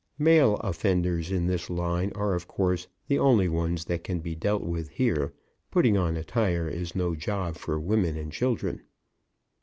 Male offenders in this line are, of course, the only ones that can be dealt with here; putting on a tire is no job for women and children.